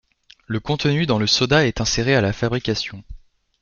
Le contenu dans le soda est inséré à la fabrication.